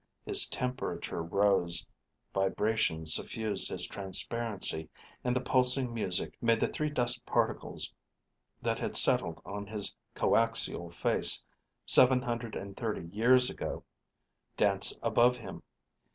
His temperature rose. Vibrations suffused his transparency and the pulsing music made the three dust particles that had settled on his coaxial face seven hundred and thirty years ago dance above him.